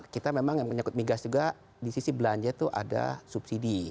kita memang yang menyakut mi gas juga di sisi belanja itu ada subsidi